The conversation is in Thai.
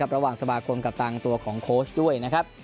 ระหว่างสมากรมกับตังตัวของโค้ชด้วย